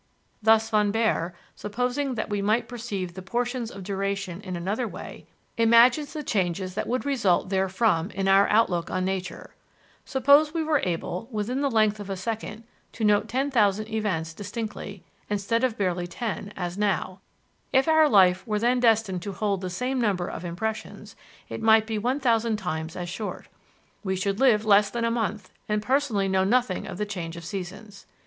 Thus Von Baer, supposing that we might perceive the portions of duration in another way, imagines the changes that would result therefrom in our outlook on nature: "Suppose we were able, within the length of a second, to note 10,000 events distinctly, instead of barely 10, as now; if our life were then destined to hold the same number of impressions, it might be 1,000 times as short. We should live less than a month, and personally know nothing of the change of seasons.